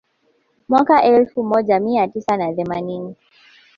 Mwaka wa elfu moja mia tisa na themanini